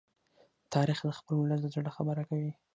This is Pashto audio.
تاریخ د خپل ولس د زړه خبره کوي.